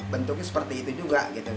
bentuknya seperti itu juga gitu